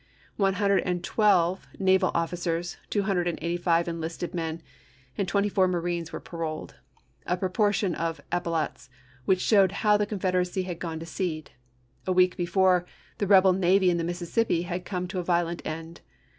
One hundred and twelve naval officers, two hundred and eighty five enlisted men, and twenty four marines were paroled — a proportion of epaulettes which showed how the Confederacy had gone to seed. A week before, the rebel navy in the Mississippi had come to a violent end.